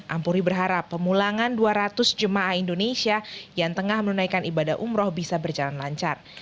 ampuri berharap pemulangan dua ratus jemaah indonesia yang tengah menunaikan ibadah umroh bisa berjalan lancar